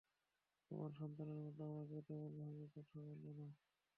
তোমার সন্তানের মতো আমাকে তেমন ভেবে কথা বলো না।